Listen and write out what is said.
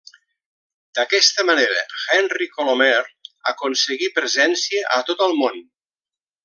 D'aquesta manera Henry Colomer aconseguí presència a tot el món.